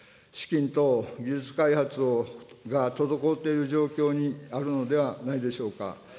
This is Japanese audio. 資金等、技術開発が滞っている状況にあるのではないでしょうか。